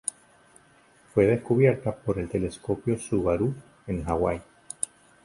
Fue descubierta por el telescopio Subaru en Hawái.